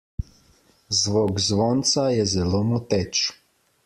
Zvok zvonca je zelo moteč.